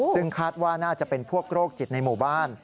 ซึ่งคาดว่าน่าจะเป็นพวกโรคจิตในหมู่บ้าน